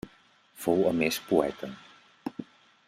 Fou a més poeta.